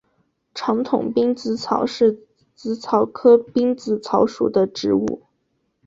长筒滨紫草是紫草科滨紫草属的植物。